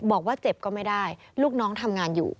บอกว่าเจ็บก็ไม่ได้ลูกน้องทำงานอยู่